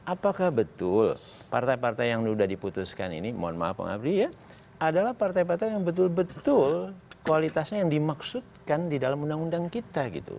apakah betul partai partai yang sudah diputuskan ini mohon maaf pak abdi ya adalah partai partai yang betul betul kualitasnya yang dimaksudkan di dalam undang undang kita gitu